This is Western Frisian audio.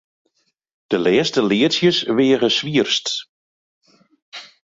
De lêste leadsjes weage swierst.